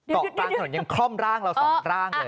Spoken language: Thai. เกาะกลางถนนคล่อมร่างเรา๒ร่าง